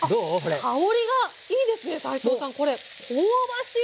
香りがいいですね斉藤さんこれ香ばしい！